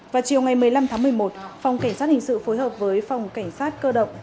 vào chiều ngày một mươi năm tháng một mươi một phòng cảnh sát hình sự phối hợp với phòng cảnh sát cơ động